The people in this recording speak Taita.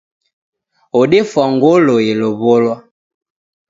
Odefwa ngolo yelowolwa.